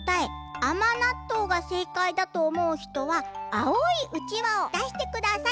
「あまなっとう」がせいかいだとおもうひとはあおいうちわをだしてください。